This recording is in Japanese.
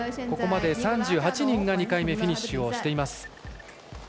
ここまで３８人が２回目フィニッシュをしています。